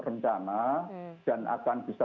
rencana dan akan bisa